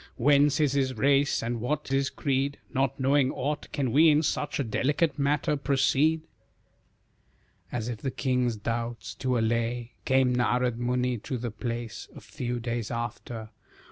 Whence is his race and what his creed? Not knowing aught, can we in such A matter delicate, proceed?" As if the king's doubts to allay, Came Narad Muni to the place A few days after.